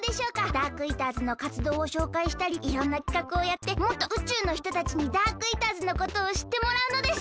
ダークイーターズのかつどうをしょうかいしたりいろんなきかくをやってもっとうちゅうのひとたちにダークイーターズのことをしってもらうのです。